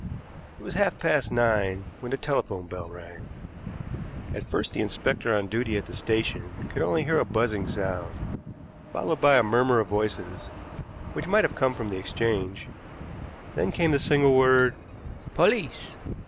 It was half past nine when the telephone bell rang. At first the inspector on duty at the station could only hear a buzzing sound, followed by a murmur of voices, which might have come from the exchange; then came the single word, "Police!"